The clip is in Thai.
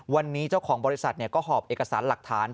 วันนี้เจ้าของบริษัทก็หอบเอกสารหลักฐาน